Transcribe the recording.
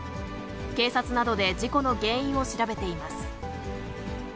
警察などで事故の原因を調べています。